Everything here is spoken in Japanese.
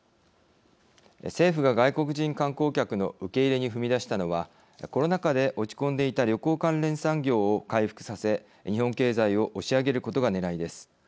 政府が外国人観光客の受け入れに踏み出したのはコロナ禍で落ち込んでいた旅行関連産業を回復させ日本経済を押し上げることがねらいです。